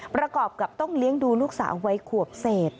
ประกอบกับต้องเลี้ยงดูลูกสาววัยขวบเศษ